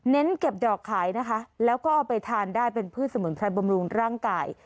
เก็บดอกขายนะคะแล้วก็เอาไปทานได้เป็นพืชสมุนไพรบำรุงร่างกาย